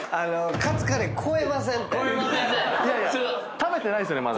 食べてないっすよねまだ。